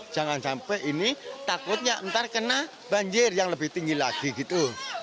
jangan sampai ini takutnya ntar kena banjir yang lebih tinggi lagi gitu